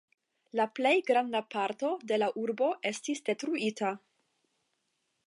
La plej granda parto de la urbo estis detruita.